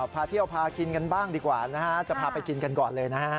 พาเที่ยวพากินกันบ้างดีกว่านะฮะจะพาไปกินกันก่อนเลยนะฮะ